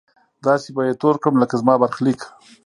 داسې به يې تور کړم لکه زما برخليک!